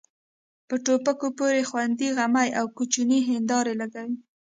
په ټوپکو پورې ځونډۍ غمي او کوچنۍ هيندارې لګوي.